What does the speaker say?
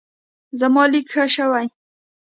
زما لیک ښه شوی.